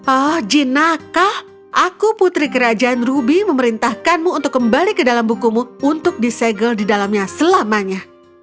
oh jinak aku putri kerajaan ruby memerintahkanmu untuk kembali ke dalam bukumu untuk disegel di dalamnya selamanya